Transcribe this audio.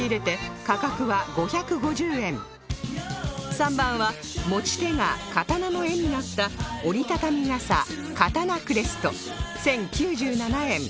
３番は持ち手が刀の柄になった折りたたみ傘刀クレスト１０９７円